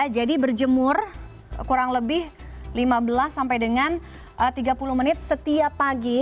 jadi berjemur kurang lebih lima belas sampai dengan tiga puluh menit setiap pagi